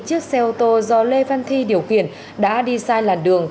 chiếc xe ô tô do lê văn thi điều khiển đã đi sai làn đường